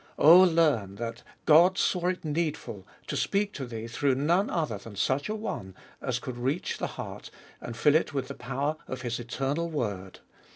Oh learn that God saw it needful to speak to thee through none other than such a One as could reach the heart and fill it with the power of His eternal Ibolfest of Bll ei Word.